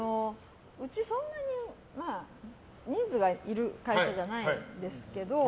うちそんなに人数がいる会社じゃないんですけど。